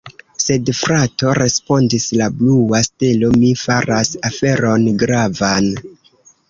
Sed frato, respondis la blua stelo, mi faras aferon gravan!